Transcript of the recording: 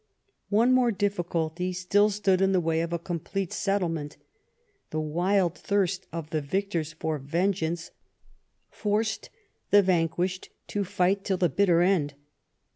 One more difficulty still stood in the way of a complete settlement. The wild thirst of the victors for vengeance forced the vanquished to fight till the bitter end.